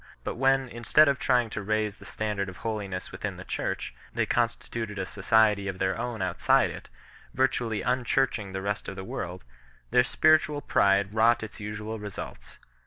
But when, instead of trying to raise the standard of holiness within the Church, they constituted a society of their own outside it, virtually unchurching the rest of the world, their spiritual pride wrought its usual results.